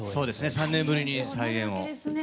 ３年ぶりに再演を。